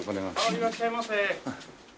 いらっしゃいませ。